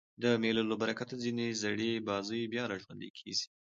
د مېلو له برکته ځیني زړې بازۍ بیا راژوندۍ کېږي.